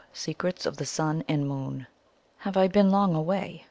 SECRETS OF THE SUN AND MOON. "Have I been long away?"